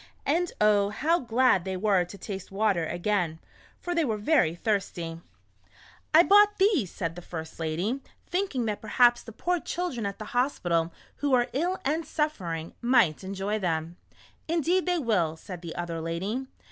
And oh, how glad they were to taste water again, for they were very thirsty. A Grasshopper's Trip to the City. 127 " I brought these," said the first lady, thinking that perhaps the poor children at the hospital, who are ill and suffering, might enjoy them." " Indeed they will," said the other lady.